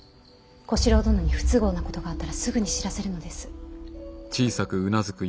小四郎殿に不都合なことがあったらすぐに知らせるのです。